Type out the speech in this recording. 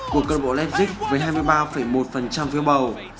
của cơ đội leipzig với hai mươi ba một phiếu bầu